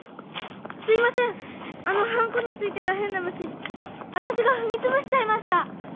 すいませんあのハンコについてた変な虫私が踏みつぶしちゃいました。